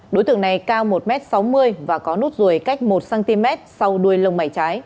đối tượng này cao một m sáu mươi và có nốt ruồi cách một cm